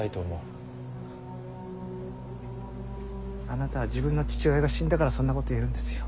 あなたは自分の父親が死んだからそんなこと言えるんですよ。